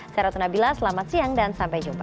saya ratna bila selamat siang dan sampai jumpa